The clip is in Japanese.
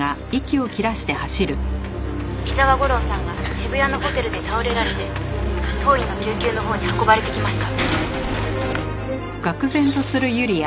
「伊沢吾良さんが渋谷のホテルで倒れられて当院の救急のほうに運ばれてきました」